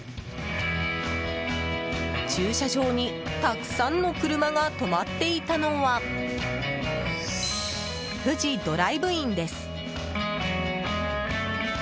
駐車場にたくさんの車が止まっていたのは不二ドライブインです。